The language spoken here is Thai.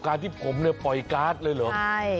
การที่ผมปล่อยก๊าซเลยหรือ